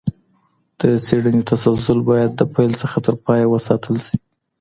د څېړني تسلسل باید د پیل څخه تر پایه وساتل سي.